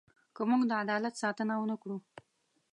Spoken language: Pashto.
که موږ د عدالت ساتنه ونه کړو.